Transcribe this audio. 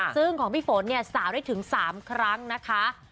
ซึ่งของพี่ฝนเนี่ยสาวได้ถึง๓ครั้งนะคะ